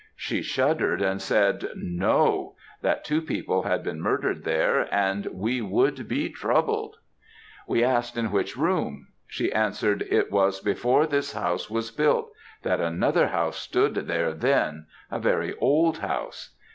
She shuddered and said 'No; that two people had been murdered there, and we should be troubled.' We asked in which room; she answered, 'it was before this house was built that another house stood there then a very old house.'